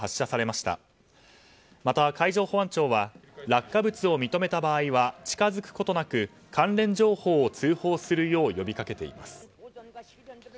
また海上保安庁は落下物を認めた場合は近づくことなく関連情報を通報するよう呼びかけています。